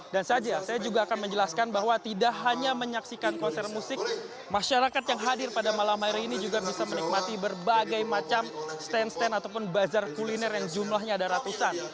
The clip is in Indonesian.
dan saja saya juga akan menjelaskan bahwa tidak hanya menyaksikan konser musik masyarakat yang hadir pada malam hari ini juga bisa menikmati berbagai macam stand stand ataupun bazar kuliner yang jumlahnya ada ratusan